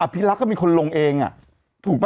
อภิรักษ์ก็มีคนลงเองอ่ะถูกป่ะ